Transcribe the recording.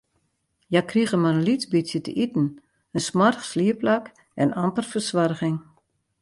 Hja krigen mar in lyts bytsje te iten, in smoarch sliepplak en amper fersoarging.